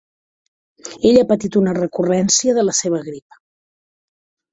Ell ha patit una recurrència de la seva grip.